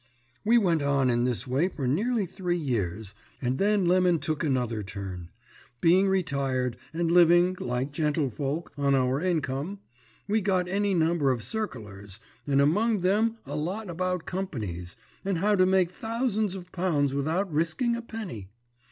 "We went on in this way for nearly three years, and then Lemon took another turn. Being retired, and living, like gentlefolk, on our income, we got any number of circulars, and among 'em a lot about companies, and how to make thousands of pounds without risking a penny.